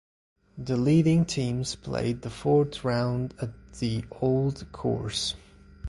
The leading teams played the fourth round at the Old Course.